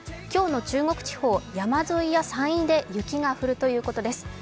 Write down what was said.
今日の中国地方、山沿いや山陰で雪が降るということです。